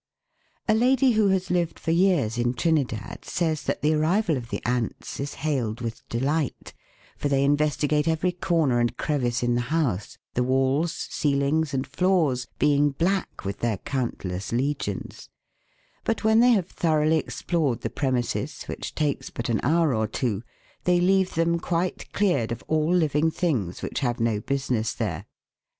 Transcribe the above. A lady who has lived for years in Trinidad, says that the arrival of the ants is hailed with delight, for they investigate every corner and crevice in the house, the walls, ceilings, and floors being black with their countless legions ; but when they have thoroughly explored the premises, which takes but an hour or two, they leave them quite cleared of all living things which have no business there.